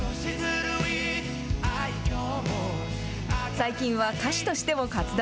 最近は歌手としても活動。